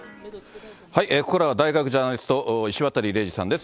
ここからは大学ジャーナリスト、石渡嶺司さんです。